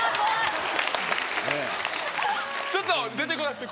ちょっと出て来なくて。